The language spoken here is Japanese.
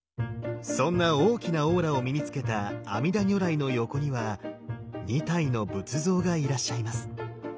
そんな大きなオーラを身につけた阿弥陀如来の横には２体の仏像がいらっしゃいます。